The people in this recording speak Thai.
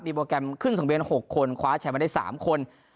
มีโปรแกรมครึ่งส่งเว้น๖คนคว้าแฉมันได้๓คน